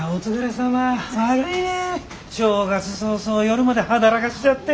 悪いね正月早々夜まで働がしちゃって。